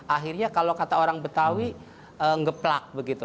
akhirnya kalau kata orang betawi ngeplak begitu